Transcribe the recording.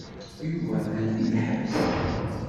Yuba atan deg lḥebs.